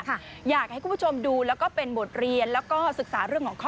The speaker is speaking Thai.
อยากให้คุณผู้ชมดูแล้วก็เป็นบทเรียนแล้วก็ศึกษาเรื่องของข้อ